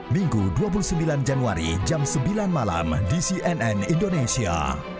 minggu dua puluh sembilan januari jam sembilan malam di cnn indonesia